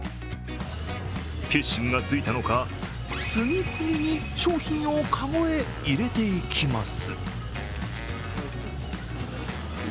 決心がついたのか、次々に商品をかごへ入れていきます。